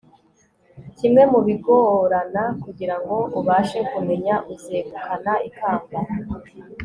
kimwe mu bigorana kugira ngo ubashe kumenya uzegukana ikamba